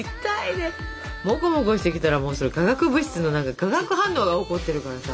モコモコしてきたらもうそれ化学物質の何か化学反応が起こってるからさ。